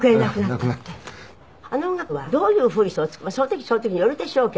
あの音楽はどういうふうにその時その時によるでしょうけど。